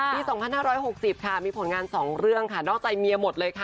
ปี๒๕๖๐ค่ะมีผลงาน๒เรื่องค่ะนอกใจเมียหมดเลยค่ะ